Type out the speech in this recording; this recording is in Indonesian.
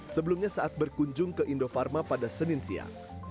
sebelumnya saat berkunjung ke indofarma pada senin siang